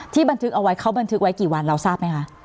บันทึกเอาไว้เขาบันทึกไว้กี่วันเราทราบไหมคะ